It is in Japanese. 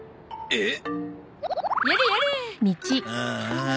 えっ？